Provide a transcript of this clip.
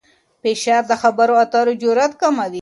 فشار د خبرو اترو جرئت کموي.